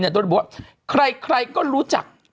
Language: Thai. โดยที่บอกว่าใครก็รู้จัก